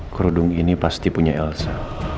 kerudung ini pasti punya elsa